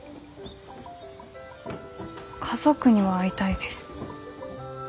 家族には会いたいです。